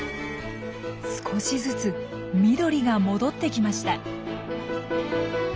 少しずつ緑が戻ってきました。